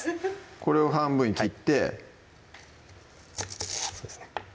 これを半分に切ってそうですね